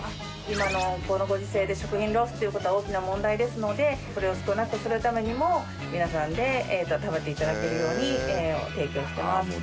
今のこのご時世で食品ロスっていう事は大きな問題ですのでこれを少なくするためにも皆さんで食べて頂けるように提供してます。